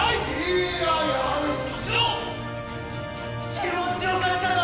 気持ち良かったぞ！